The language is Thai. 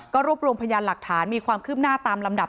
ก็รวบรวมพยานหลักฐานมีความคืบหน้าตามลำดับ